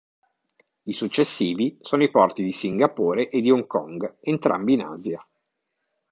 I successivi sono i porti di Singapore e di Hong Kong, entrambi in Asia.